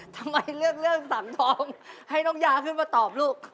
ทำไมเลือกเรื่องสามทองให้น้องยาขึ้นมาตอบลูก